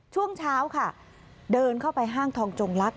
ช่วงเช้าค่ะเดินเข้าไปห้างทองจงลักษ